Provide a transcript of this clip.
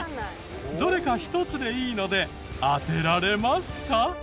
どれか１つでいいので当てられますか？